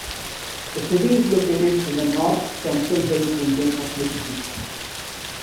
The city is located in the North Central Hills region of Mississippi.